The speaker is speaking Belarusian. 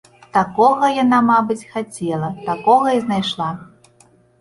Такога яна, мабыць, хацела, такога і знайшла.